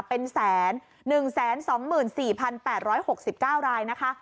เป็นแสนหนึ่งแสนสองหมื่นสี่พันแปดร้อยหกสิบเก้ารายนะคะ